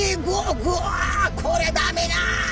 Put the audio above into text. こりゃダメだ！